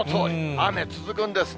雨続くんですね。